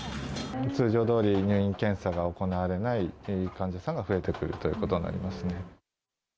通常どおりに入院・検査が行われない患者さんが増えてくるということになりますね。